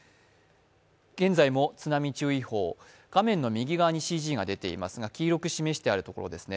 現在も津波注意報、画面の右側にＣＧが出ていますが、黄色く示しているところですね。